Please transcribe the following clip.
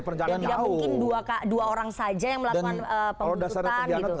dan gak mungkin dua orang saja yang melakukan penghututan